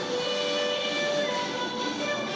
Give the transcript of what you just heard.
สวัสดีครับ